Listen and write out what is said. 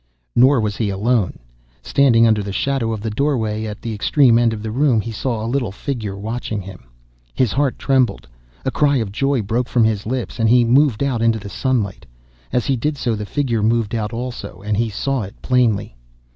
Nor was he alone. Standing under the shadow of the doorway, at the extreme end of the room, he saw a little figure watching him. His heart trembled, a cry of joy broke from his lips, and he moved out into the sunlight. As he did so, the figure moved out also, and he saw it plainly.